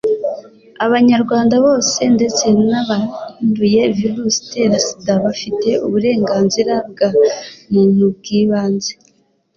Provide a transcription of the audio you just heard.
abanyarwanda bose, ndetse n'abanduye virusi itera sida bafite uburenganzira bwa muntu bw'ibanze